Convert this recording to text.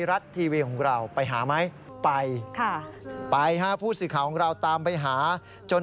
ให้ฟังก่อนให้ฟังเขาร้องก่อน